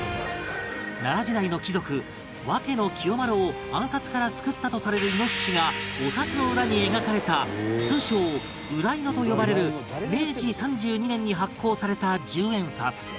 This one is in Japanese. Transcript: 奈良時代の貴族和気清麻呂を暗殺から救ったとされるイノシシがお札の裏に描かれた通称裏イノと呼ばれる明治３２年に発行された１０円札